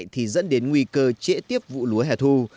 thì dẫn đến nguy cơ trễ tiếp vụ lúa hẻ thu